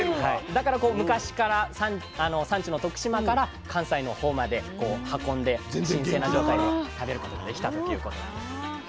だから昔から産地の徳島から関西のほうまでこう運んで新鮮な状態の食べることができたということなんです。